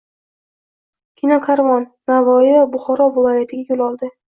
«Kinokarvon» Navoiy va Buxoro viloyatiga yo‘l oldi